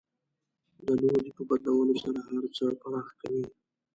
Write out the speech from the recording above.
د لوري په بدلولو سره هر څه پراخ کوي.